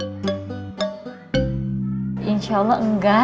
kalo buat kannonashed iti ada insyaallah enggak